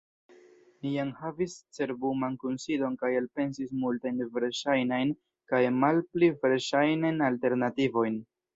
Ni jam havis cerbuman kunsidon kaj elpensis multajn verŝajnajn kaj malpli verŝajnajn alternativojn.